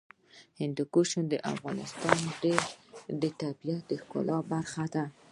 هندوکش د افغانستان د طبیعت د ښکلا برخه ده.